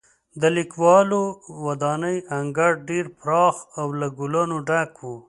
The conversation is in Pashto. د لیکوالو ودانۍ انګړ ډېر پراخه او له ګلابو ډک و.